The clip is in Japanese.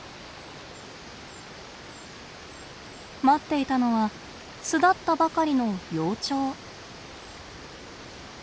待っていたのは巣立ったばかりの幼鳥。